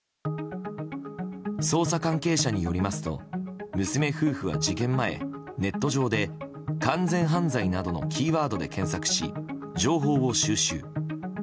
捜査関係者によりますと娘夫婦は事件前ネット上で完全犯罪などのキーワードで検索し情報を収集。